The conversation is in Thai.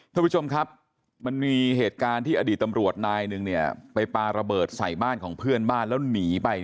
ท่านผู้ชมครับมันมีเหตุการณ์ที่อดีตตำรวจนายหนึ่งเนี่ยไปปลาระเบิดใส่บ้านของเพื่อนบ้านแล้วหนีไป